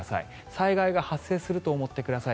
災害が発生すると思ってください。